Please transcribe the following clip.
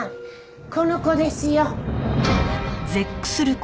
この子ですよ！